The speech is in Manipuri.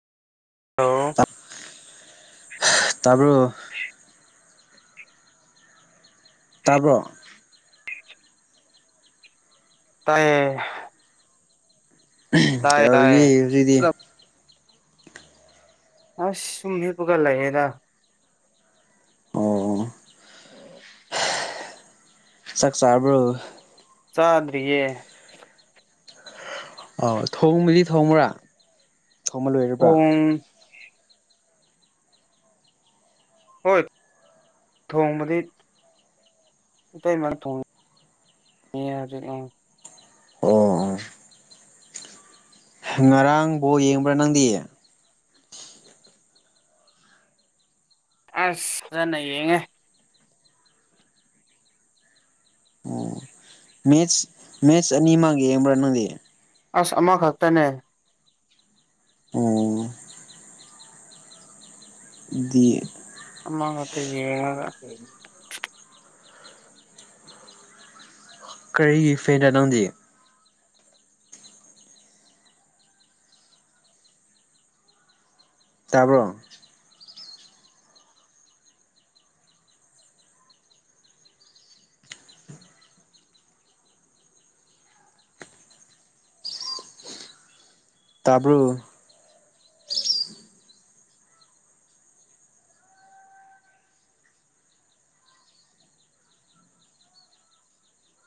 ꯍꯜꯂꯣ ꯇꯥꯔꯕ ꯑ ꯇꯥꯕ꯭ꯔꯣ ꯇꯥꯏꯌꯦ ꯇꯥꯏꯌꯦ ꯀꯩꯧꯔꯤꯒꯦ ꯇꯥꯏꯌꯦ ꯍꯧꯖꯤꯛꯇꯤ ꯑ ꯁꯨꯝꯃꯤꯄꯒꯂꯗ ꯑꯣ ꯆꯥꯛ ꯆꯥꯕ꯭ꯔꯣ ꯆꯥꯗ꯭ꯔꯤꯌꯦ ꯑ ꯊꯣꯡꯕꯗꯤ ꯊꯣꯡꯕ꯭ꯔꯥ ꯊꯣꯡꯕ ꯂꯣꯏꯔꯕ꯭ꯔꯥ ꯊꯣꯡ ꯍꯣꯏ ꯊꯣꯡ ꯃꯗꯤ ꯑꯇꯩꯃ ꯊꯣꯡꯉ ꯍꯧꯖꯤꯛ ꯑꯥ ꯑꯣ ꯉꯔꯥꯡꯕꯣ ꯌꯦꯡꯕ꯭ꯔꯥ ꯅꯪꯗꯤ ꯑꯁꯖꯅ ꯌꯦꯡꯉꯦ ꯑꯣ ꯃꯦꯠꯁ ꯃꯦꯠꯁ ꯑꯅꯤꯃꯒ ꯌꯦꯡꯕ꯭ꯔꯥ ꯅꯪꯗꯤ ꯑꯁ ꯑꯃꯈꯛꯇꯅꯦ ꯑꯣ [unintelligible] ꯑꯃꯥꯡꯉꯇꯔꯤ ꯀꯔꯤꯒꯤ ꯐꯦꯟꯗ ꯅꯪꯗꯤ ꯇꯥꯕ꯭ꯔꯣ ꯇꯥꯕ꯭ꯔꯣ